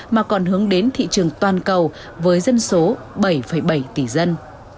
mà còn hướng đến thị trường toàn cầu với dân số bảy bảy tỷ dân